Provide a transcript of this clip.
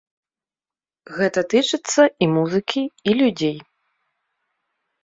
Гэта тычыцца і музыкі, і людзей.